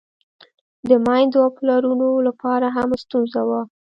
د میندو او پلرونو له پاره هم ستونزه وه.